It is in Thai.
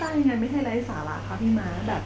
ไม่ใช่ไร้สาระครับพี่ม้า